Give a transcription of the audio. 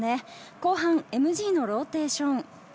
後半ＭＧのローテーション。